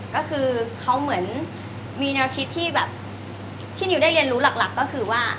ก็คือเขาเหมือนมีแนวคิดที่แบบที่นิวได้เรียนรู้หลักก็คือว่า